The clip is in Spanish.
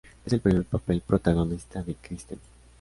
Es el primer papel protagonista de Kristen.